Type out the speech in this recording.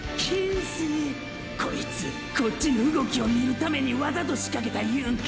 こいつこっちの動きを見るためにわざとしかけたいうんか！！